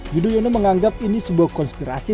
yudhoyono menganggap ini sebuah konspirasi